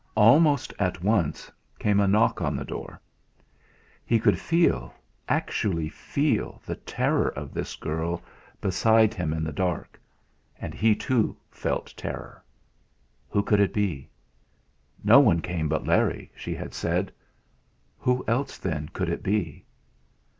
Almost at once came a knock on the door. He could feel actually feel the terror of this girl beside him in the dark. And he, too, felt terror. Who could it be? No one came but Larry, she had said. Who else then could it be?